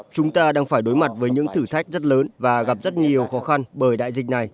chúng ta đang phải đối mặt với những thử thách rất lớn và gặp rất nhiều khó khăn bởi đại dịch này